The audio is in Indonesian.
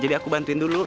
jadi aku bantuin dulu